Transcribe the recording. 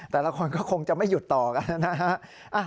แต่ละคนก็คงจะไม่หยุดต่อกันนะฮะ